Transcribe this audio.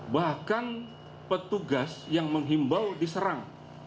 bahkan petugas yang menghimbau diserang